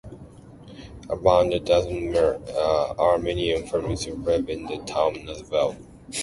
Around a dozen Armenian families live in the town as well.